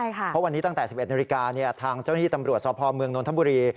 เพราะวันนี้ตั้งแต่๑๑นทางเจ้าหนี้ตำรวจสอบพอร์เมืองนนทบุรี